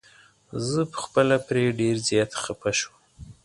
زه په خپله پرې ډير زيات خفه شوم.